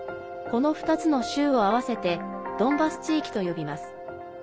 この２つの州を合わせてドンバス地域と呼びます。